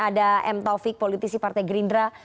ada m taufik politisi partai gerindra